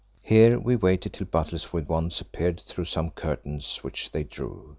Here we waited till butlers with wands appeared through some curtains which they drew.